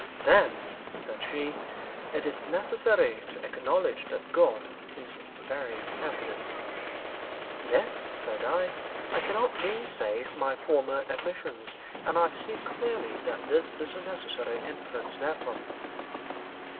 'Then,' said she, 'it is necessary to acknowledge that God is very happiness.' 'Yes,' said I; 'I cannot gainsay my former admissions, and I see clearly that this is a necessary inference therefrom.'